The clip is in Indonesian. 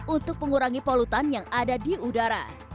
untuk mengurangi polutan yang ada di udara